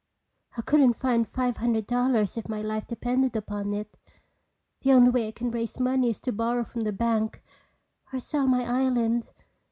I couldn't find five hundred dollars if my life depended upon it. The only way I can raise money is to borrow from the bank or sell my island.